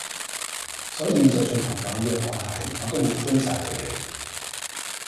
所以就算朋友約我睇我都會推曬佢地